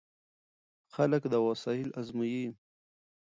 خلک دا وسایل ازمويي.